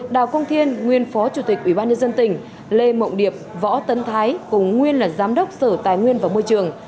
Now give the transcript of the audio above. đào công thiên nguyên phó chủ tịch ủy ban nhân dân tỉnh lê mộng điệp võ tấn thái cùng nguyên là giám đốc sở tài nguyên và môi trường